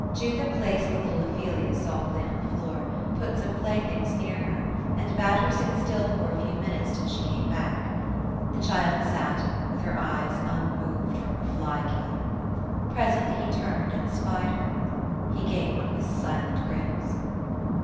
Jutha placed the little Ophelia softly on the floor, put some playthings near her, and bade her sit still for a few minutes till she came back. The child sat, with her eyes unmoved from the fly killer. Presently he turned, and spied her. He gave one of his silent grins.